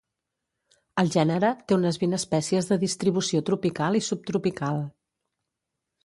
El gènere té unes vint espècies de distribució tropical i subtropical.